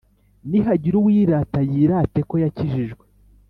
Nihagira uwirata yirate ko yakijijwe